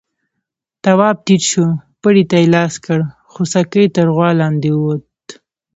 تواب ټيټ شو، پړي ته يې لاس کړ، خوسکی تر غوا لاندې ووت.